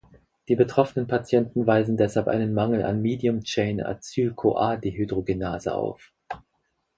Die betroffenen Patienten weisen deshalb einen Mangel an Medium-Chain-Acyl-CoA-Dehydrogenase auf.